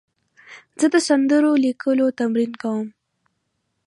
زه د سندرو لیکلو تمرین کوم.